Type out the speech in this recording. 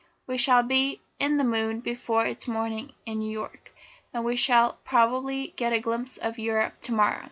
We shall be in the moon before it's morning in New York, but we shall probably get a glimpse of Europe to morrow."